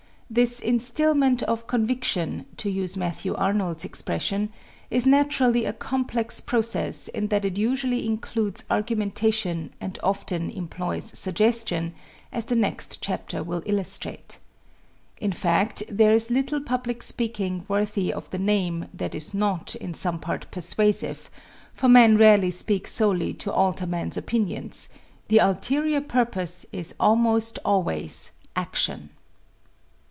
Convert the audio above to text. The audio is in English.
This "instilment of conviction," to use Matthew Arnold's expression, is naturally a complex process in that it usually includes argumentation and often employs suggestion, as the next chapter will illustrate. In fact, there is little public speaking worthy of the name that is not in some part persuasive, for men rarely speak solely to alter men's opinions the ulterior purpose is almost always action.